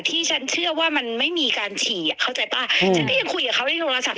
ที่ฉันเชื่อว่ามันไม่มีการฉี่อ่ะเข้าใจป่ะฉันก็ยังคุยกับเขาในโทรศัพท